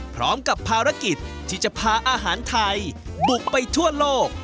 พร้อมกับภารกิจที่จะพาอาหารไทยบุกไปทั่วโลก